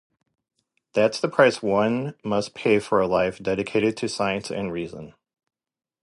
That's the price one must pay for a life dedicated to science and reason.